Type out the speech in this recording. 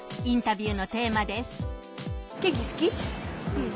うん。